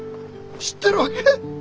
知ってるわけ？